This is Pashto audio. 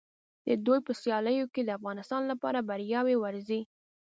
د دوی په سیالیو کې د افغانستان لپاره بریاوې ورځي.